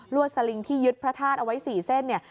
สลิงที่ยึดพระธาตุเอาไว้๔เส้นเนี่ย